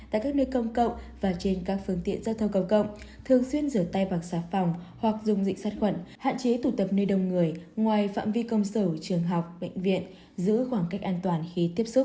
tại các nơi công cộng và trên các phương tiện giao thông công cộng thường xuyên rửa tay bằng xà phòng hoặc dùng dịch sát khuẩn hạn chế tụ tập nơi đông người ngoài phạm vi công sở trường học bệnh viện giữ khoảng cách an toàn khi tiếp xúc